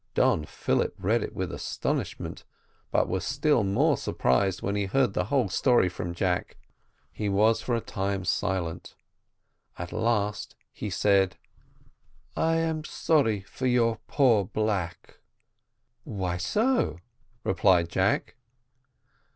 Don Philip read it with astonishment, but was still more surprised when he heard the whole story from Jack. He was for a time silent: at last he said: "I am sorry for your poor black." "Why so?" replied Jack.